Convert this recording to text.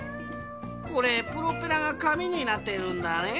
これプロペラがかみになってるんだね。